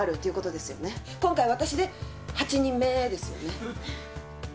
今回私で８人目ですよね？